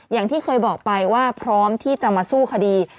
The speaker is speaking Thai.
อย่างที่เคยบอกไปว่าพร้อมที่จะมาสู้คดี